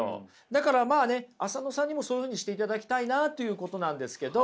だからまあね浅野さんにもそういうふうにしていただきたいなということなんですけど。